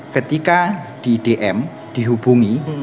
ketika di dm dihubungi